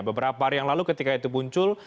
beberapa hari yang lalu ketika itu muncul